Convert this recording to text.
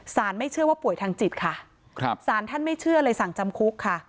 ไม่เชื่อว่าป่วยทางจิตค่ะครับสารท่านไม่เชื่อเลยสั่งจำคุกค่ะ